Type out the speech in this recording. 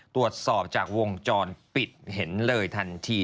ตรวจสอบจากวงจรปิดเห็นเลยทันที